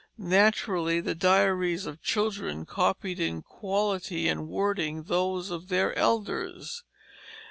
Naturally, the diaries of children copied in quality and wording those of their elders.